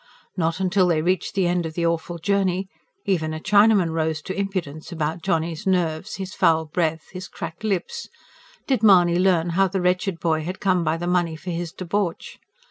Not till they reached the end of the awful journey even a Chinaman rose to impudence about Johnny's nerves, his foul breath, his cracked lips did Mahony learn how the wretched boy had come by the money for his debauch.